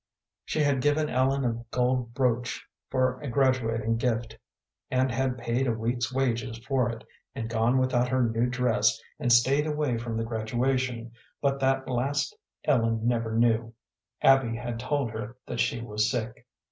She had given Ellen a gold brooch for a graduating gift, and had paid a week's wages for it, and gone without her new dress, and stayed away from the graduation, but that last Ellen never knew; Abby had told her that she was sick.